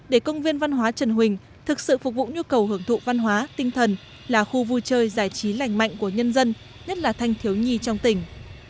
để công viên văn hóa trần huỳnh thực sự phục vụ nhu cầu hưởng thụ văn hóa tinh thần là khu vui chơi giải trí lành mạnh của nhân dân nhất là thanh thiếu nhi trong tỉnh